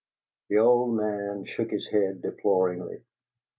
The old man shook his head deploringly.